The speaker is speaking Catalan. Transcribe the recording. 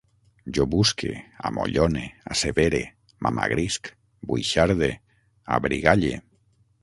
Jo busque, amollone, assevere, m'amagrisc, buixarde, abrigalle